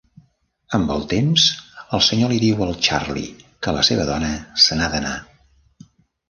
Amb el temps, el senyor li diu al Charley que la seva dona se n'ha d'anar.